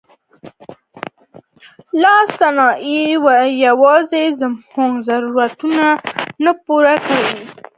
لاسي صنایع یوازې زموږ ضرورتونه نه پوره کوي.